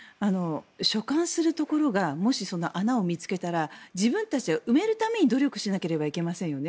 所管するところが穴を見つけたら自分たちは埋めるために努力しなければいけませんよね。